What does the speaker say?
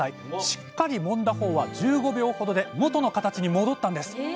しっかりもんだ方は１５秒ほどで元の形に戻ったんです